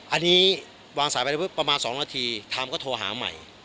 อันนี้วางสายไปเพราะประมาณสองนาทีทามก็โทรหาใหม่